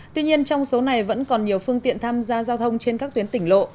tuy nhiên trong số này vẫn còn nhiều phương tiện tham gia giao thông trên các tuyến tỉnh lộ